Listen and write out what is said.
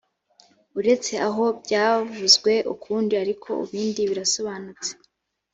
uretse aho byavuzwe ukundi ariko ibindi birasobanutse